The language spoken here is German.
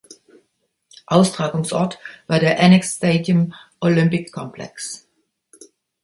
Austragungsort war der Annex Stadium Olympic Complex.